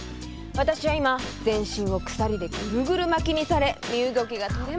私は今全身を鎖でぐるぐる巻きにされ身動きがとれません。